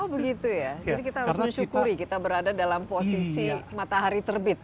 oh begitu ya jadi kita harus mensyukuri kita berada dalam posisi matahari terbit